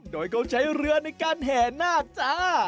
โดยเขาใช้เรือในการแห่นาคจ้า